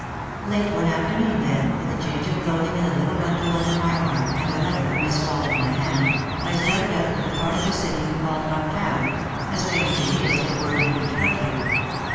Late one afternoon then, with a change of clothing in a little bundle under my arm and a letter from Miss Wald in my hand, I started out for the part of the city we called "uptown," as strange to me as if it were in a different country.